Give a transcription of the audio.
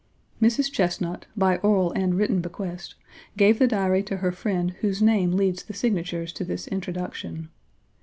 Mrs. Chesnut, by oral and written bequest, gave the Diary to her friend whose name leads the signatures to this Introduction.